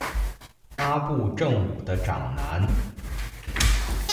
阿部正武的长男。